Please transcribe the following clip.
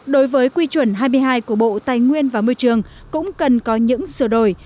đối với quy chuẩn hai mươi hai của bộ tài nguyên và môi trường cũng cần có những sửa đổi